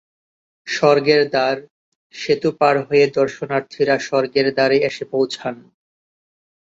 স্বর্গের দ্বার: সেতু পার হয়ে দর্শনার্থীরা স্বর্গের দ্বারে এসে পৌঁছান।